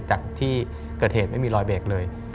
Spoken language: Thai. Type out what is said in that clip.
จากที่เกิดเหตุไม่มีรอยเบรกเลย